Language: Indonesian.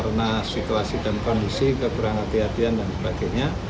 karena situasi dan kondisi kekurangan hati hatian dan sebagainya